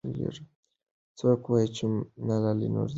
څوک وایي چې ملالۍ نورزۍ وه؟